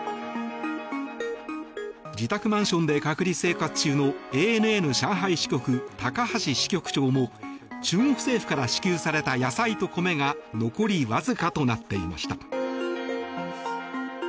自宅マンションで隔離生活中のＡＮＮ上海支局・高橋支局長も中国政府から支給された野菜と米が残りわずかとなっていました。